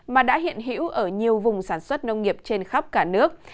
mà đã hiện hữu ở nhiều vùng sản xuất nông nghiệp trên khắp cả nước